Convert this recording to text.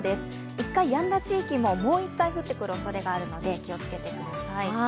一回やんだ地域も、もう一回降ってくるおそれがあるので気をつけてください。